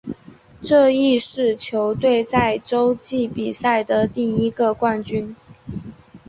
这亦是球队在洲际比赛的第一个冠军。